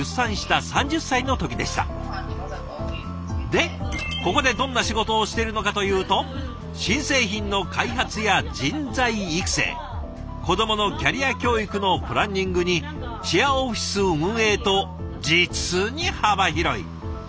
でここでどんな仕事をしてるのかというと新製品の開発や人材育成子どものキャリア教育のプランニングにシェアオフィス運営と実に幅広い。